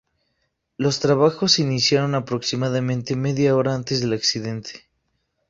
Los trabajos se iniciaron aproximadamente media hora antes del accidente.